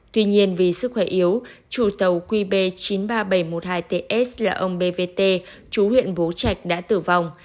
tuy nhiên vì sức khỏe yếu chủ tàu qb chín mươi ba nghìn bảy trăm một mươi hai ts là ông bvt chú huyện bố trạch đã tử vong